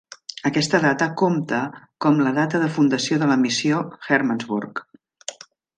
Aquesta data compta com la data de fundació de la Missió Hermannsburg.